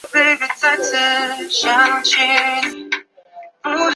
拉波滕施泰因是奥地利下奥地利州茨韦特尔县的一个市镇。